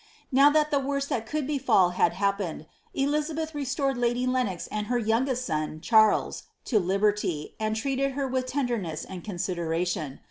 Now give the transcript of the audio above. Now that the worst that could befal had happened, Elizabeth restored lady Lenox and her youngest son, Charles, to liberty, and treated her with tndemess and consideration.